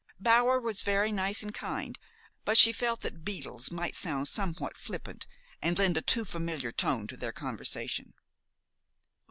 Bower was very nice and kind; but she felt that "beetles" might sound somewhat flippant and lend a too familiar tone to their conversation.